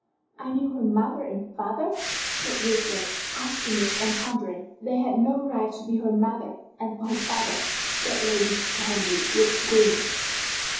"I knew her mother and her father?" said Sir Wilfrid, astonished and pondering. "They had no right to be her mother and her father," said Lady Henry, with grimness.